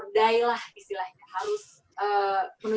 jadi bedai lah istilahnya harus menunjukkan